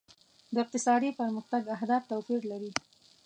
د اقتصادي پرمختګ اهداف توپیر لري.